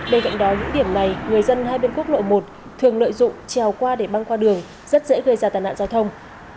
bên cạnh đó những điểm này người dân hai bên quốc lộ một thường lợi dụng treo qua để băng qua đường rất dễ gây ra tai nạn giao thông